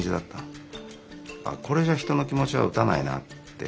これじゃ人の気持ちは打たないなって。